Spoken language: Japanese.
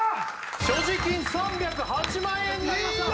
所持金３０８万円になりましたよ